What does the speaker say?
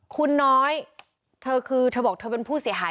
คุณน้อยเธอคือเธอบอกเธอเป็นผู้เสียหาย